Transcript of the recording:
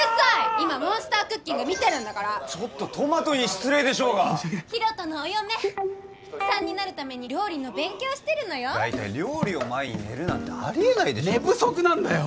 今「モンスタークッキング」見てるんだからちょっとトマトに失礼でしょうが大翔のお嫁さんになるために料理の勉強してるのよ料理を前に寝るなんてありえない寝不足なんだよ